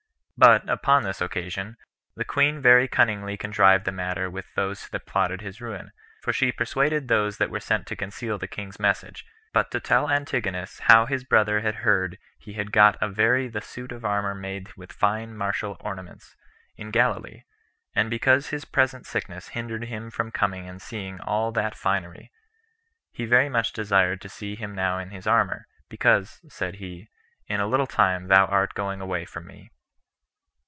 But, upon this occasion, the queen very cunningly contrived the matter with those that plotted his ruin, for she persuaded those that were sent to conceal the king's message; but to tell Antigonus how his brother had heard he had got a very the suit of armor made with fine martial ornaments, in Galilee; and because his present sickness hindered him from coming and seeing all that finery, he very much desired to see him now in his armor; because, said he, in a little time thou art going away from me.